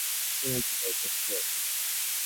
একদিন বিমলকে বলেছিলুম তোমাকে বাইরে আসতে হবে।